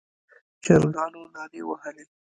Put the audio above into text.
چرګانو نارې وهلې.